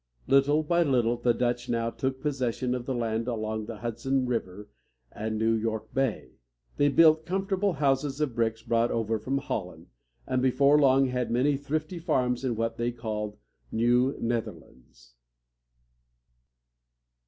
Little by little the Dutch now took possession of the land along the Hudson River and New York Bay. They built comfortable houses of bricks brought over from Holland, and before long had many thrifty farms in what they called the New Neth´er lands.